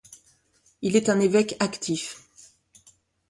Il est un évêque actif.